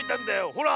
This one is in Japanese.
ほら！